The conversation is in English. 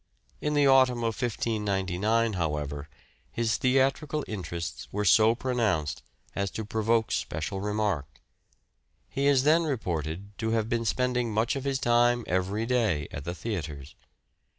In the autumn of 1599, however, his theatrical interests were so pronounced as to provoke special remark : he is then reported to have been spending much of his time every day at the theatres.